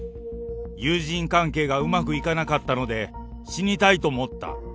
友人関係がうまくいかなかったので、死にたいと思った。